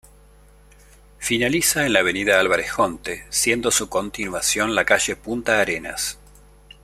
Finaliza en la Avenida Álvarez Jonte, siendo su continuación la calle "Punta Arenas".